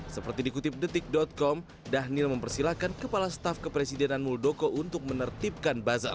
seperti dikutip detik com dhanil mempersilahkan kepala staf kepresidenan muldoko untuk menertibkan buzzer